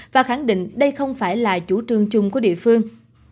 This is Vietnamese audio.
và khẳng định đây không phải là chủ trương chung của địa phương